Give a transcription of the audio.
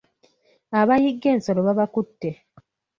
Abayigga ensolo babakutte.